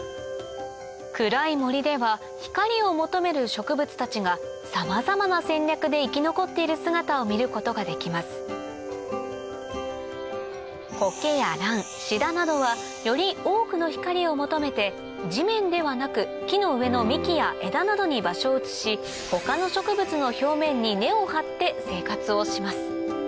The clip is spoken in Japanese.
暗い森では光を求める植物たちがさまざまな戦略で生き残っている姿を見ることができますなどはより多くの光を求めて地面ではなく木の上の幹や枝などに場所を移し他の植物の表面に根を張って生活をします